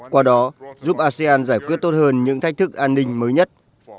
qua đó giúp asean giải quyết tốt hơn những thách thức an ninh mới nhất